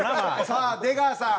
さあ出川さん。